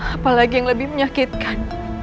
apalagi yang lebih menyakitkan